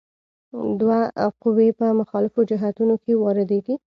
دوه قوې په مخالفو جهتونو کې واردیږي.